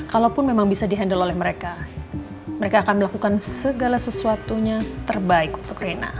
kalaupun memang bisa di handle oleh mereka mereka akan melakukan segala sesuatunya terbaik untuk rina